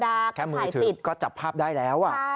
ถ่ายติดแค่มือถือก็จับภาพได้แล้ว